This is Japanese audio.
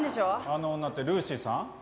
あの女ってルーシーさん？